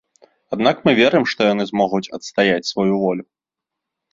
Аднак мы верым, што яны змогуць адстаяць сваю волю.